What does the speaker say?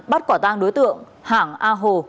bắt quả tang đối tượng hảng a hồ